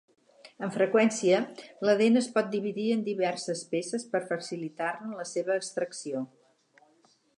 Amb freqüència, la dent es pot dividir en diverses peces per facilitar-ne la seva extracció.